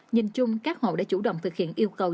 nhìn chung các hộ đã chủ động thực hiện yêu cầu